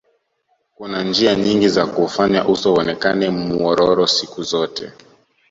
kuna njia nyingi za kuufanya uso uonekane mwororo siku zote